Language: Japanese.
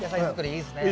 いいですね。